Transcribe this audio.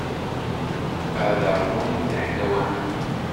Ad ṛwun tiḥlawatin.